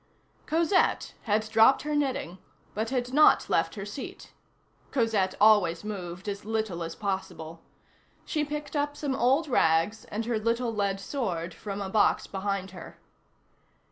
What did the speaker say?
Cosette had dropped her knitting, but had not left her seat. Cosette always moved as little as possible. She picked up some old rags and her little lead sword from a box behind her.